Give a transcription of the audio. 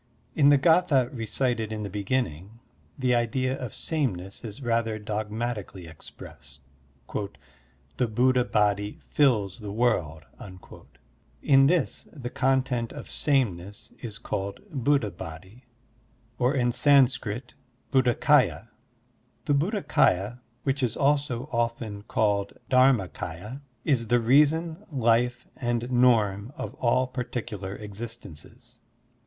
In the g^tha recited in the beginning, the idea of sameness is rather dogmatically expressed: "The Buddha Body fills the world." In this the content of sameness is called Buddha Body or in Sanskrit Buddhakaya. The Bud dhakdya, which is also often called Dharma k^ya, is the reason, life, and norm of all particular existences.